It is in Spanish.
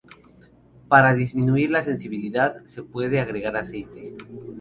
Para disminuir la sensibilidad, se puede agregar aceite.